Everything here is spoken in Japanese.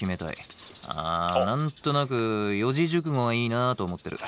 あ何となく四字熟語がいいなあと思ってる。